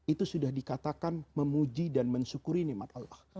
itu sudah dikatakan memuji dan mensyukuri nikmat allah